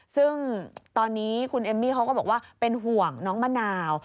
ซึ่งตอนนี้คุณเอมมี่เขาก็บอกว่าเป็นห่วงน้องมะนาว